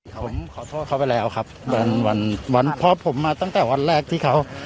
ผมขอโทษเขาไปแล้วครับวันวันพ่อผมมาตั้งแต่วันแรกที่เขา